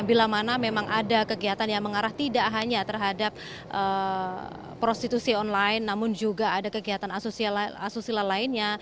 bila mana memang ada kegiatan yang mengarah tidak hanya terhadap prostitusi online namun juga ada kegiatan asusila lainnya